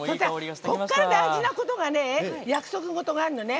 ここから大事なことが約束事があるのね。